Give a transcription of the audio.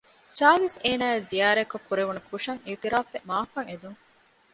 ޖާވިޒް އޭނާއަށް ޒިޔާރަތްކޮއް ކުރެވުނު ކުށަށް އިއުތިރާފްވެ މަޢާފްއަށް އެދުން